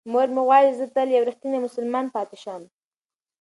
مور مې غواړي چې زه تل یو رښتینی مسلمان پاتې شم.